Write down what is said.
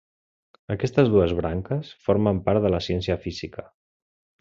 Aquestes dues branques formen part de la ciència física.